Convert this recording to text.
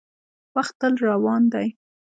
• وخت تل روان دی.